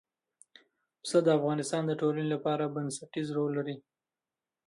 پسه د افغانستان د ټولنې لپاره بنسټيز رول لري.